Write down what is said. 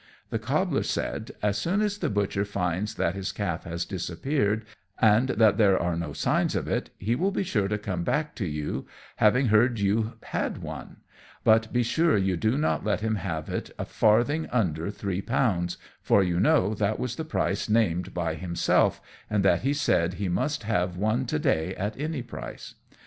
The Cobbler said, "As soon as the butcher finds that his calf has disappeared, and that there are no signs of it, he will be sure to come back to you, having heard you had one; but be sure you do not let him have it a farthing under three pounds, for you know that was the price named by himself, and that he said he must have one to day at any price.